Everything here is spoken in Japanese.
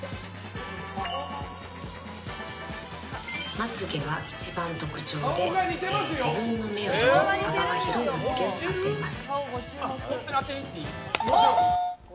まつ毛は一番特徴で自分の目よりも幅の広いまつ毛を使っています。